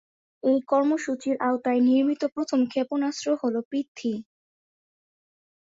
এই কর্মসূচির আওতায় নির্মিত প্রথম ক্ষেপণাস্ত্র হল পৃথ্বী।